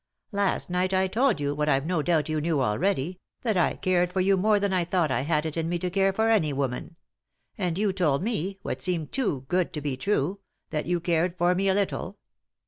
Last night I told you, what I've no doubt you knew already, that I cared for you more than I thought I had it in me to care for any woman ; and you told me, what seemed too good to be true, that you cared for me a little."